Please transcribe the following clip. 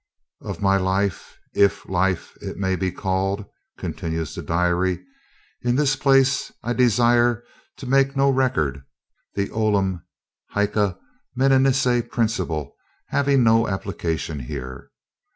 ] Of my life, if life it may be called [continues the diary], in this place, I desire to make no record, the olim haec meminisse principle having no application here.